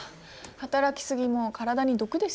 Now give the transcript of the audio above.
働き過ぎも体に毒ですよ。